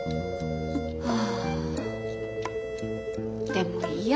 でもいいや。